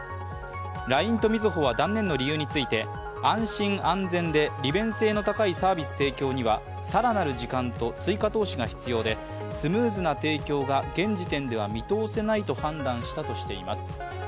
ＬＩＮＥとみずほは断念の理由について安心・安全で利便性の高いサービス提供には更なる時間と追加投資が必要で、スムーズな提供が現時点では見通せないと判断したとしています。